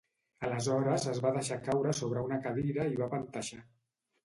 Aleshores es va deixar caure sobre una cadira i va panteixar.